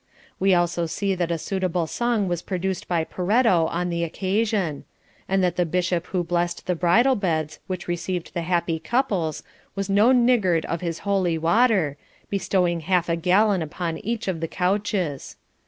We also see that a suitable song was produced by Peretto on the occasion; and that the bishop who blessed the bridal beds which received the happy couples was no niggard of his holy water, bestowing half a gallon upon each of the couches.